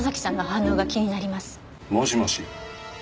もしもし。